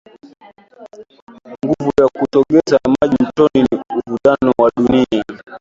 Nguvu ya kusogeza maji mtoni ni uvutano wa dunia